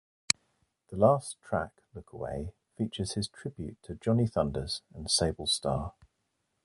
The last track, "Look Away", features his tribute to Johnny Thunders and Sable Starr.